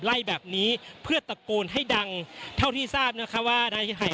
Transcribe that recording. ไล่แบบนี้เพื่อตะโกนให้ดังเท่าที่ทราบนะคะว่านายหาย